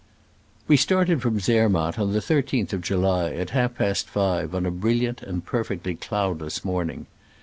We started from Zermatt on the 1 3th of July at half past five, on a brilliant and perfectly cloudless morning.